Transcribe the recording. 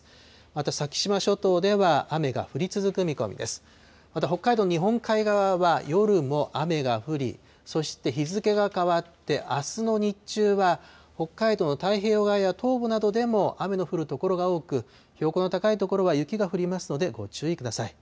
また北海道、日本海側は夜も雨が降り、そして日付が変わってあすの日中は、北海道の太平洋側や東部などでも雨の降る所が多く、標高の高い所は雪が降りますので、ご注意ください。